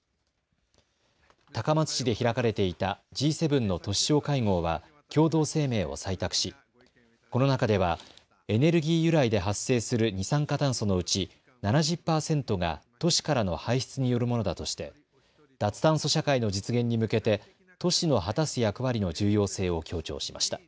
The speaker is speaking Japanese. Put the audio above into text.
高松市で開かれていたＧ７の都市相会合は共同声明を採択し、この中ではエネルギー由来で発生する二酸化炭素のうち７０％が都市からの排出によるものだとして脱炭素社会の実現に向けて都市の果たす役割の重要性を強調しました。